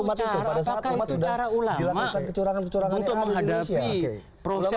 apakah itu cara ulama untuk menghadapi proses